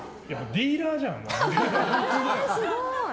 ディーラーじゃん。